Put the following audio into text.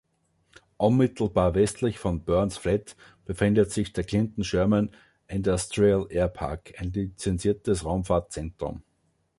Unmittelbar westlich von Burns Flat befindet sich der Clinton-Sherman Industrial Airpark, ein lizenziertes Raumfahrtzentrum.